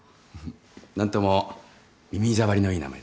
何とも耳障りのいい名前ですね。